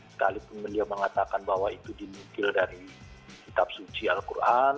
sekalipun beliau mengatakan bahwa itu dimutil dari kitab suci al quran